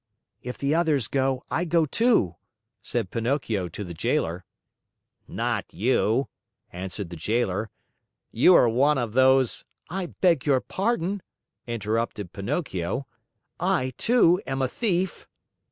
"If the others go, I go, too," said Pinocchio to the Jailer. "Not you," answered the Jailer. "You are one of those " "I beg your pardon," interrupted Pinocchio, "I, too, am a thief."